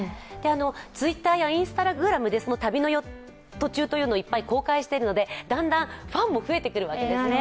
ＴｗｉｔｔｅｒやＩｎｓｔａｇｒａｍで旅の途中をいっぱい公開しているのでだんだんファンも増えてくるわけですね。